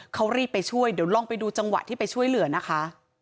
เขารีบไปช่วยเดี๋ยวลองไปดูจังหวะที่ไปช่วยเหลือนะคะ